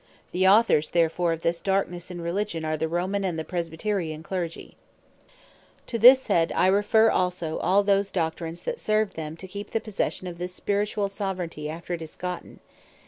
The Authors therefore of this Darknesse in Religion, are the Romane, and the Presbyterian Clergy. Infallibility To this head, I referre also all those Doctrines, that serve them to keep the possession of this spirituall Soveraignty after it is gotten.